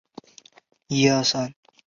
靡不有初鲜克有终